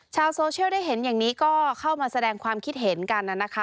ชาวโซเชียลได้เห็นอย่างนี้ก็เข้ามาแสดงความคิดเห็นกันนะคะ